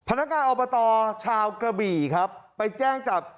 พนักงานอบตชาวกระบี่ครับไปแจ้งจับ